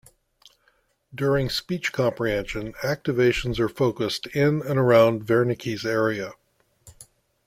During speech comprehension, activations are focused in and around Wernicke's area.